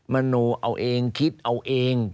มโนเอาเองคิดเอาเอง